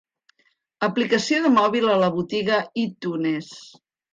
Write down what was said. Aplicació de mòbil a la botiga iTunes.